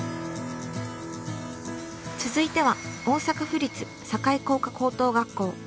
続いては大阪府立堺工科高等学校。